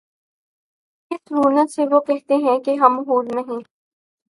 کس رعونت سے وہ کہتے ہیں کہ ’’ ہم حور نہیں ‘‘